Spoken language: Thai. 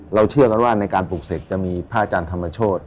เชื่อกันว่าในการปลูกเสกจะมีพระอาจารย์ธรรมโชธ